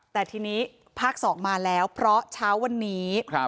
แต่ทีนี้ภาค๒มาแล้วเพราะเช้าวันนี้